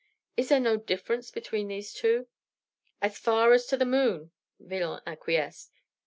Is there no difference between these two?" "As far as to the moon," Villon acquiesced.